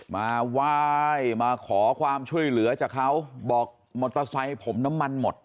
มาไหว้มาขอความช่วยเหลือจากเขาบอกมอเตอร์ไซค์ผมน้ำมันหมด